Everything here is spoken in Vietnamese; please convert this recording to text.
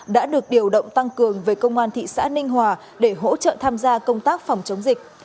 đã được điều động tăng cường về công an thị xã ninh hòa để hỗ trợ tham gia công tác phòng chống dịch